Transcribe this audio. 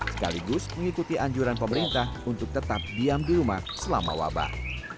sekaligus mengikuti anjuran pemerintah untuk tetap diam di rumah selama wabah